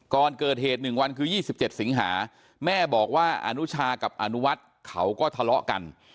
ก่อนเกิดเหตุ๑วันคือ๒๗สิงหาแม่บอกว่าอนุชากับอนุวัฒน์เขาก็ทะเลาะกัน